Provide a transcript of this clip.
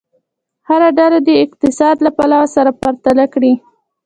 هره ډله دې اقتصاد له پلوه سره پرتله کړي.